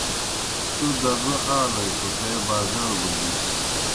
تُوْ دزو آلوئے توْ تے بازرَڑ بوجِیس۔